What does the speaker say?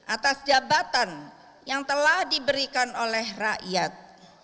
atas jabatan yang telah diberikan oleh rakyat